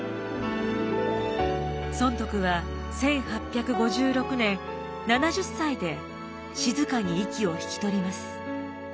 尊徳は１８５６年７０歳で静かに息を引き取ります。